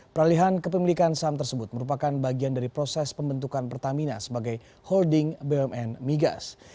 peralihan kepemilikan saham tersebut merupakan bagian dari proses pembentukan pertamina sebagai holding bumn migas